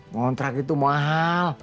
ngontrak itu mahal